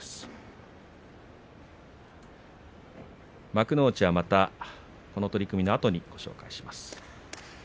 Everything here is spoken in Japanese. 幕内はまたこの取組のあとにご紹介します。